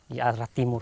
di arah timur